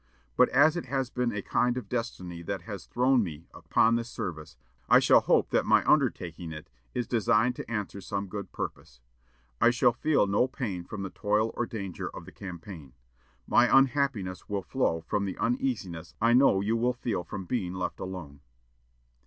But as it has been a kind of destiny that has thrown me upon this service, I shall hope that my undertaking it is designed to answer some good purpose.... I shall feel no pain from the toil or danger of the campaign; my unhappiness will flow from the uneasiness I know you will feel from being left alone."